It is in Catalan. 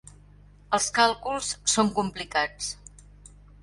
Els càlculs són complicats.